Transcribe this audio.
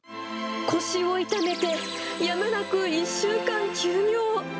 腰を痛めて、やむなく１週間休業。